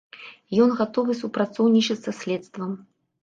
Ён гатовы супрацоўнічаць са следствам.